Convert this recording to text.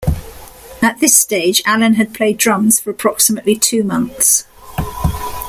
At this stage, Allen had played drums for approximately two months.